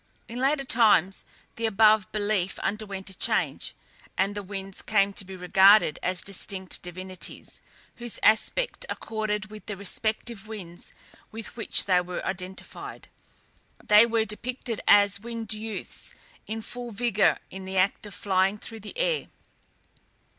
In later times the above belief underwent a change, and the winds came to be regarded as distinct divinities, whose aspect accorded with the respective winds with which they were identified. They were depicted as winged youths in full vigour in the act of flying through the air.